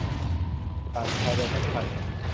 ด่านชายแดนสำคัญ